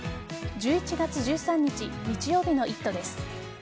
１１月１３日日曜日の「イット！」です。